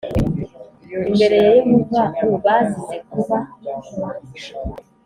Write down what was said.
imbere ya Yehova u bazize kuba